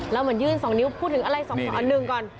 แล้วเหมือนยื่น๒นิ้วพูดถึงอะไรหนึ่งก่อน